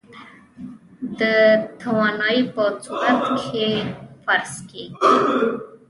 د توانايي په صورت کې فرض کېږي.